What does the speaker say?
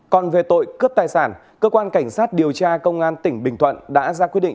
còn về tội cướp tài sản cơ quan cảnh sát điều tra công an tỉnh bình thuận đã ra quyết định